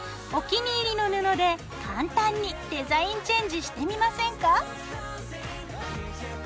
お気に入りの布で簡単にデザインチェンジしてみませんか？